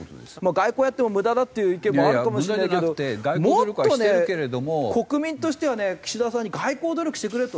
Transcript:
外交やっても無駄だっていう意見もあるかもしれないけどもっとね国民としてはね岸田さんに外交努力してくれと。